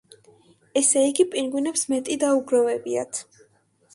ესე იგი, პინგვინებს მეტი დაუგროვებიათ.